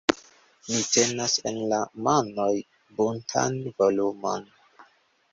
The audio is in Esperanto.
Ni tenas en la manoj buntan volumon.